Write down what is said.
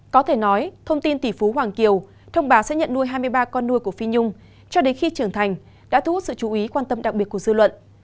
có thể nói thông tin tỷ phú hoàng kiều thông báo sẽ nhận nuôi hai mươi ba con nuôi của phi nhung cho đến khi trưởng thành đã thu hút sự chú ý quan tâm đặc biệt của dư luận